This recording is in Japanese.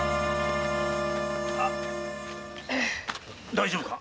大丈夫か。